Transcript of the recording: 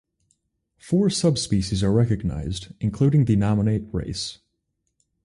Four subspecies are recognized, including the nominate race.